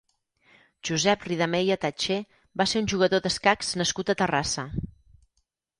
Josep Ridameya Tatché va ser un jugador d'escacs nascut a Terrassa.